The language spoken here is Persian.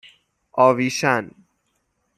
آویشن